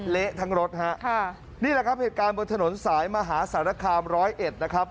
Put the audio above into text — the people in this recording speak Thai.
เละทั้งรถฮะค่ะนี่แหละครับเหตุการณ์บนถนนสายมหาสารคามร้อยเอ็ดนะครับ